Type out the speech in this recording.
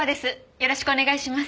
よろしくお願いします。